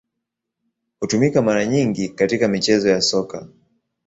Hutumika mara nyingi katika michezo ya Soka.